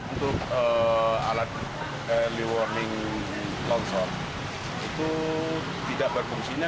untuk alat early warning longsor itu tidak berfungsinya